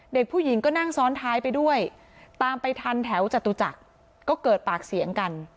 เด็กผู้หญิงก็นั่งซ้อนท้ายไปด้วยตามไปทันแถวจตุจักรก็เกิดปากเสียงกัน